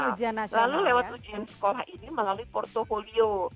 lalu lewat ujian sekolah ini melalui portfolio